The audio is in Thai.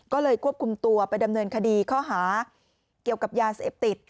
ก็เลยควบคุมตัวไปดำเนินคดีข้อหาเกี่ยวกับยาเสพติด